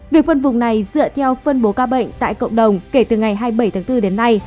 việc phân vùng này dựa theo phân bố ca bệnh tại cộng đồng kể từ ngày hai mươi bảy tháng bốn đến nay